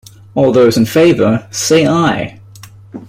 All those in favour, say Aye.